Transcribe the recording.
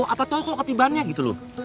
apa tau kok ketibannya gitu loh